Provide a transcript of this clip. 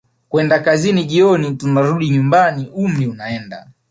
kwenda kazini jioni tunarudi nyumbani umri unaenda